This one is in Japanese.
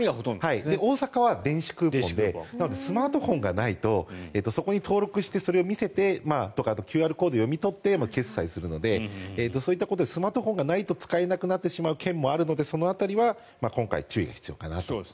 大阪は電子クーポンでなのでスマートフォンがないとそこに登録してそれを見せてとかＱＲコードを読み取って決済もするのでそういったことでスマートフォンがないと使えなくなってしまう県もあるのでその辺りは今回注意が必要かなと。